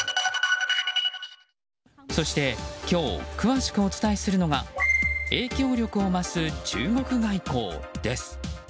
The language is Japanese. そして、今日詳しくお伝えするのが影響力を増す中国外交です。